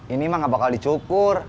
ini mah gak bakal dicukur